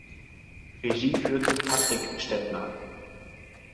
Regie führte Patrick Stettner.